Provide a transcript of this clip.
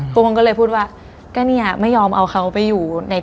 ถ้าเราอยู่ไกล